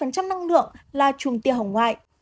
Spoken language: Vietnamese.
tám mươi năng lượng là trùng tiêu hồng ngoại